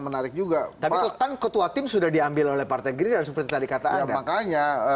menarik juga tapi kan ketua tim sudah diambil oleh partai gerindra seperti tadi kata anda makanya